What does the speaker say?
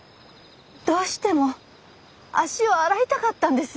どうしても足を洗いたかったんですよ。